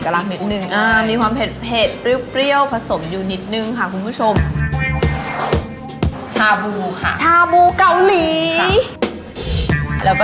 ได้เวลาเปิดมอชาบูแล้วค่ะ